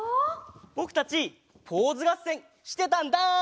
ぼくたちポーズがっせんしてたんだ！